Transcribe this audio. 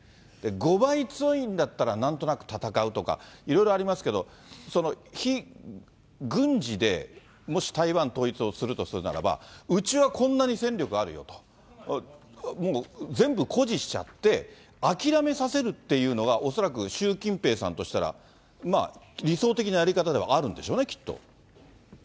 ５倍強いんだったらなんとなく戦うとか、いろいろありますけど、非軍事でもし台湾統一をするとするならば、うちはこんなに戦力あるよと、もう全部誇示しちゃって、諦めさせるっていうのは恐らく習近平さんとしたら理想的なやり方そうですね。